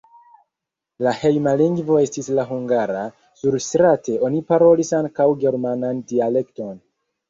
La hejma lingvo estis la hungara, surstrate oni parolis ankaŭ germanan dialekton.